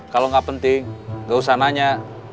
kalau gak penting gak usah nanya